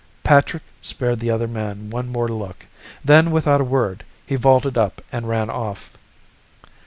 Patrick spared the other man one more look. Then, without a word, he vaulted up and ran off.